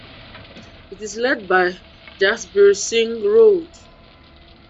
It is led by Jasbir Singh Rode.